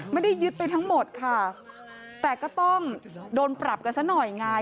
ไม่ได้ยึดไปทั้งหมดค่ะแต่ก็ต้องโดนปรับกันซะหน่อยไง